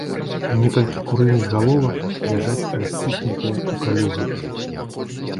Некалькі курыных галовак ляжаць расціснутыя ў калюгах.